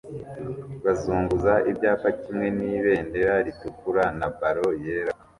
bazunguza ibyapa kimwe nibendera ritukura na ballon yera